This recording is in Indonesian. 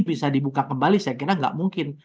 bisa dibuka kembali saya kira nggak mungkin